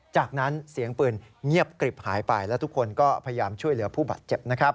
จากนั้นเสียงปืนเงียบกริบหายไปและทุกคนก็พยายามช่วยเหลือผู้บาดเจ็บนะครับ